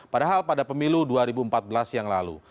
padahal pada pemilu dua ribu empat belas yang lalu